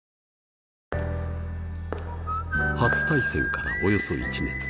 初対戦からおよそ１年。